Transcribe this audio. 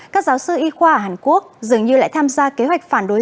các giáo sư y khoa ở hàn quốc dường như lại tham gia kế hoạch phản đối